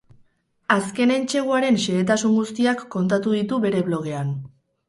Azken entseguaren xehetasun guztiak kontatu ditu bere blogean.